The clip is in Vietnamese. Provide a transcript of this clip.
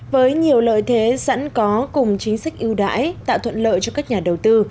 với nhiều lợi thế sẵn có cùng chính sách ưu đãi tạo thuận lợi cho các nhà đầu tư